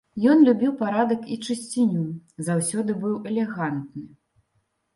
Ён любіў парадак і чысціню, заўсёды быў элегантны.